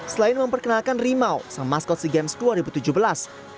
selain memperkenalkan rimau sama maskot sea games dua ribu tujuh belas